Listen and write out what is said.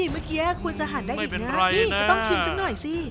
เมื่อกี้คุณจะหันได้อีกนะนี่จะต้องชิมสิ้นหน่อยสินี่ไม่เป็นไรนะ